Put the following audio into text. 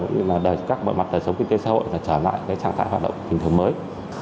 đời các mọi mặt sống kinh tế xã hội trở lại trang thái hoạt động tình thường mới